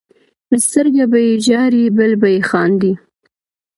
سترګه به یې ژاړي بله به یې خاندي.